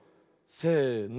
せの。